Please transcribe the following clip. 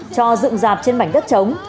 cho dựng dạp trên mảnh đất trống